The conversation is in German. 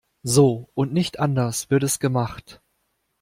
So und nicht anders wird es gemacht.